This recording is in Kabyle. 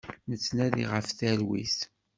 Nettnadi ɣef talwit.